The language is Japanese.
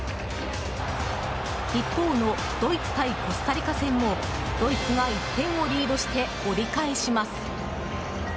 一方のドイツ対コスタリカ戦もドイツが１点をリードして折り返します。